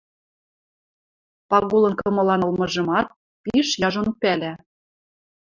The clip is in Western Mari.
Пагулын кымылан ылмыжымат пиш яжон пӓлӓ.